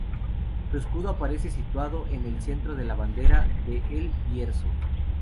El escudo aparece situado en el centro de la bandera de El Bierzo.